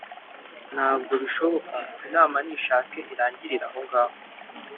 ntabwo bishoboka inama nishaka irangirire ahongaho